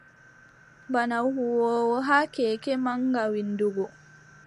Bana huwoowo haa keeke maŋga winndugo.